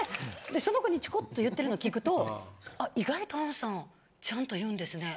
その子にちょこっと言ってるの聞くと「意外とアンさんちゃんと言うんですね。